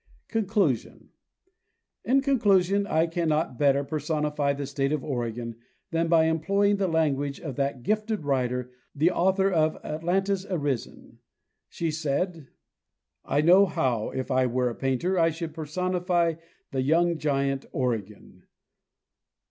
Conclusion. In conclusion, I cannot better personify the state of Oregon than by employing the language of that gifted writer, the author of "Atlantis Arisen." She said: ''T know how, if I were a painter, I should personify the young giant Oregon.